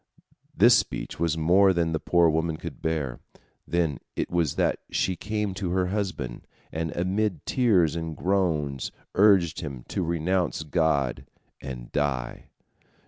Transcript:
This speech was more than the poor woman could bear. Then it was that she came to her husband, and amid tears and groans urged him to renounce God and die.